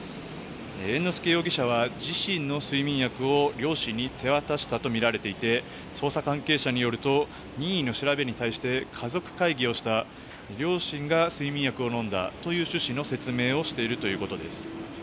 猿之助容疑者は自身の睡眠薬を両親に手渡したとみられていて捜査関係者によると任意の調べに対して家族会議をした両親が睡眠薬を飲んだという趣旨の説明をしているということです。